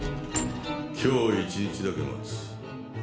今日一日だけ待つ。